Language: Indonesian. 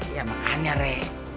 ya makanya re